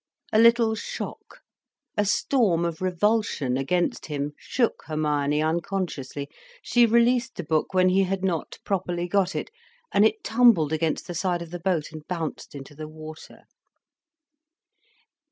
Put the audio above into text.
A little shock, a storm of revulsion against him, shook Hermione unconsciously. She released the book when he had not properly got it, and it tumbled against the side of the boat and bounced into the water.